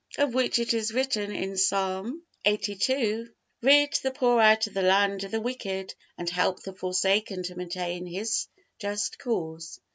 Of which it is written in Psalm lxxxii, "Rid the poor out of the hand of the wicked, and help the forsaken to maintain his just cause."